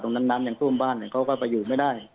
ตรงนั้นน้ำยังท่วมบ้านเนี้ยเขาก็ไปอยู่ไม่ได้